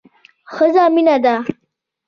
ښځه مينه ده